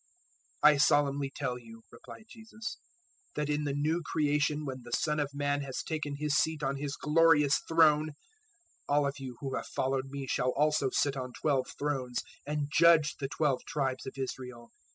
019:028 "I solemnly tell you," replied Jesus, "that in the New Creation, when the Son of Man has taken His seat on His glorious throne, all of you who have followed me shall also sit on twelve thrones and judge the twelve tribes of Israel.